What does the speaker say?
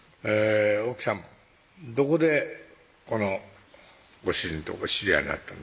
奥さまどこでこのご主人とお知り合いになったんですか？